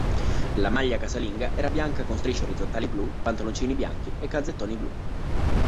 La maglia casalinga era bianca con strisce orizzontali blu, pantaloncini bianchi e calzettoni blu.